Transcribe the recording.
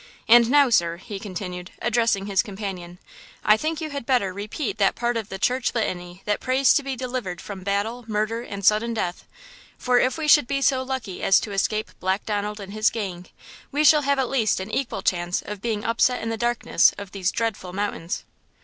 "And now, sir," he continued, addressing his companion, "I think you had better repeat that part of the church litany that prays to be delivered from 'battle, murder and sudden death,' for if we should be so lucky as to escape Black Donald and his gang, we shall have at least an equal chance of being upset in the darkness of these dreadful mountains."